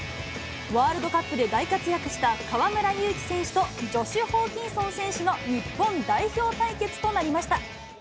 ワールドカップで大活躍した河村勇輝選手とジョシュ・ホーキンソン選手の日本代表対決となりました。